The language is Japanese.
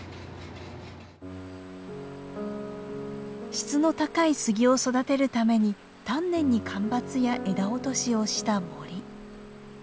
質の高い杉を育てるために丹念に間伐や枝落としをした森。